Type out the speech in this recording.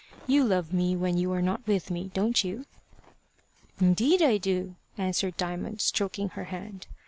You love me when you are not with me, don't you?" "Indeed I do," answered Diamond, stroking her hand.